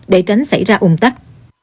để tránh xảy ra ủng tắc